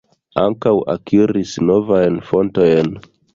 Ankaŭ akiris novajn fontojn.